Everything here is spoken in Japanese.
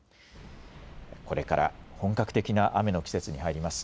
これから本格的な雨の季節に入ります。